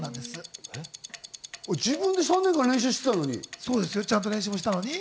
自分で３年間練習してたのに？